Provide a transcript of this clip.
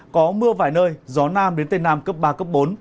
có mưa vài nơi gió nam đến tây nam cấp ba cấp bốn